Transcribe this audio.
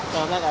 kau enggak kan